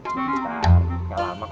bentar gak lama kok